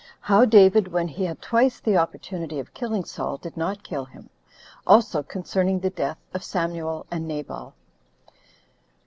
How David, When He Had Twice The Opportunity Of Killing Saul Did Not Kill Him. Also Concerning The Death Of Samuel And Nabal.